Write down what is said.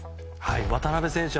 渡邊選手